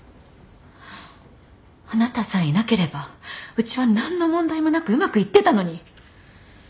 あなたさえいなければうちは何の問題もなくうまくいってたのに。